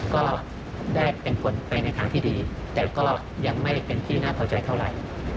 ก็ได้เป็นผลไปในทางที่ดีแต่ก็ยังไม่เป็นที่น่าพอใจเท่าไหร่